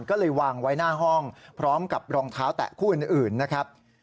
ก็เลยวางไว้หน้าห้องพร้อมกับรองเท้าแตะคู่อื่นนะครับ